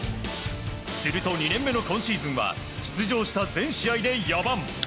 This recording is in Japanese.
すると２年目の今シーズンは出場した全試合で４番。